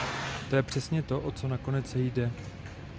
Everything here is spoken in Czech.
To je přesně to, o co nakonec jde.